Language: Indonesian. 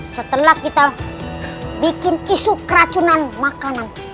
setelah kita bikin isu keracunan makanan